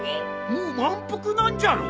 もう満腹なんじゃろ？